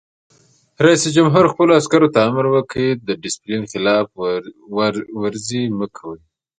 رئیس جمهور خپلو عسکرو ته امر وکړ؛ د ډسپلین خلاف ورزي مه کوئ!